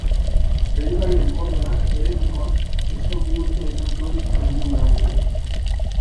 Predikarien Ordenak heretikoak kristau bihurtzea izan zuen helburu nagusia.